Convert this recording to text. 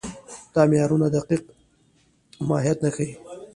دا معیارونه دقیق ماهیت نه ښيي.